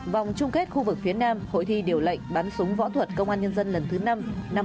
vòng chung kết khu vực phía nam hội thi điều lệnh bắn súng võ thuật công an nhân dân lần thứ năm năm hai nghìn hai mươi